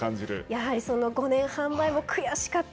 やはり５年半前も悔しかった。